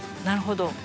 なるほど。